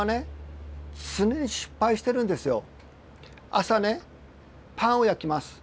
朝ねパンを焼きます。